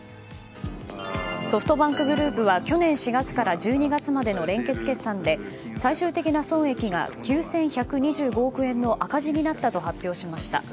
ソフトバンクグループは去年４月から１２月までの連結決算で最終的な損益が９１２５億円の赤字になったと発表しました。